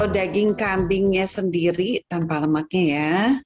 daging kambingnya sendiri tanpa lemaknya ya